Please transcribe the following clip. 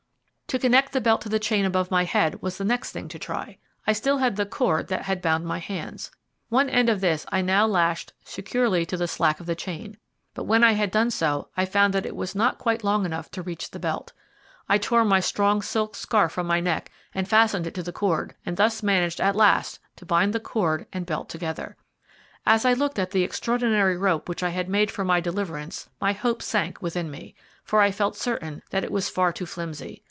To connect the belt to the chain above my head was the next thing to try. I had still the cord that had bound my hands. One end of this I now lashed securely to the slack of the chain, but when I had done so I found that it was not quite long enough to reach the belt. I tore my strong silk scarf from my neck and fastened it to the cord, and thus managed at last to bind cord and belt together. As I looked at the extraordinary rope which I had made for my deliverance my hope sank within me, for I felt certain that it was far too flimsy.